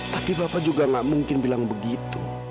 tapi bapak juga gak mungkin bilang begitu